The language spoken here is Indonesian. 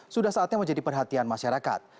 sudah saatnya menjadi perhatian masyarakat